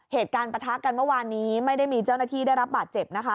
ปะทะกันเมื่อวานนี้ไม่ได้มีเจ้าหน้าที่ได้รับบาดเจ็บนะคะ